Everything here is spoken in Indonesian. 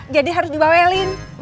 jadi harus dibawelin